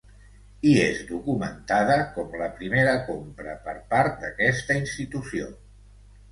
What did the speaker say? Hi és documentada com la primera compra per part d'aquesta institució.